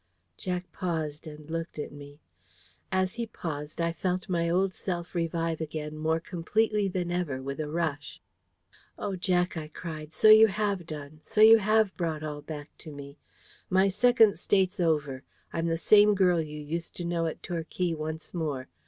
Jack paused and looked at me. As he paused, I felt my old self revive again more completely than ever with a rush. "Oh, Jack," I cried, "so you HAVE done; so you HAVE brought all back to me! My Second State's over: I'm the same girl you used to know at Torquay once more.